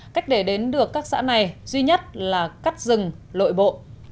cách để đến được các xã này duy nhất là cắt rừng lội bộ